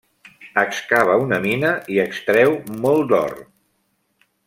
Excava una mina i extreu molt d'or.